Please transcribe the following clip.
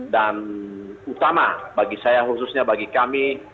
dan utama bagi saya khususnya bagi kami